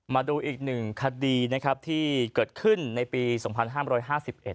มาดูอีกหนึ่งคดีนะครับที่เกิดขึ้นในปีสองพันห้ามร้อยห้าสิบเอ็